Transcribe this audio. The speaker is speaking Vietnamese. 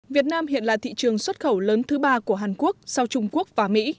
việt nam hiện là thị trường xuất khẩu lớn thứ ba của hàn quốc sau trung quốc và mỹ